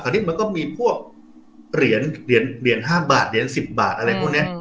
คราวนี้มันก็มีพวกเหรียญเหรียญห้าบาทเหรียญสิบบาทอะไรพวกนี้